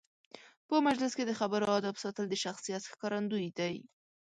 په مجلس کې د خبرو آدب ساتل د شخصیت ښکارندوی دی.